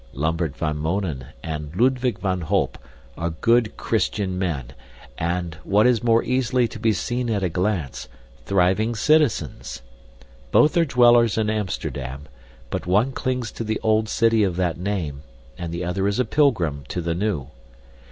Lambert van Mounen and Ludwig van Holp are good Christian men and, what is more easily to be seen at a glance, thriving citizens. Both are dwellers in Amsterdam, but one clings to the old city of that name and the other is a pilgrim to the new.